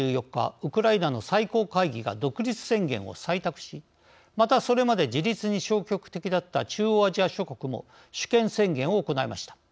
ウクライナの最高会議が独立宣言を採択しまたそれまで自立に消極的だった中央アジア諸国も主権宣言を行いました。